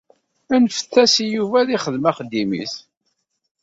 Anfet-as i Yuba ad ixdem axeddim-is.